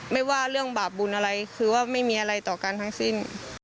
ไม่ว่าเรื่องบาปบุญอะไรคือว่าไม่มีอะไรต่อกันทั้งสิ้น